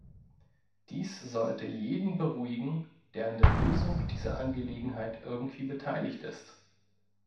Dies sollte jeden beruhigen, der an der Lösung dieser Angelegenheit irgendwie beteiligt ist.